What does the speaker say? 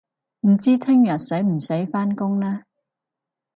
唔知聽日使唔使返工呢